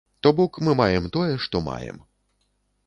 То бок, мы маем тое, што маем.